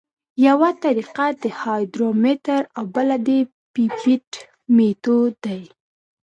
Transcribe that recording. یوه طریقه د هایدرامتر او بله د پیپیټ میتود دی